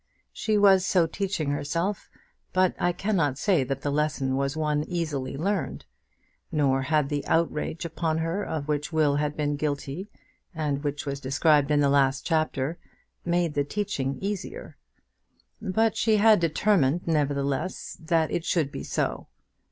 She was so teaching herself, but I cannot say that the lesson was one easily learned; nor had the outrage upon her of which Will had been guilty, and which was described in the last chapter, made the teaching easier. But she had determined, nevertheless, that it should be so.